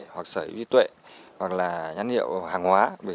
hoặc sở vi tuệ hoặc là nhãn hiệu hàng hóa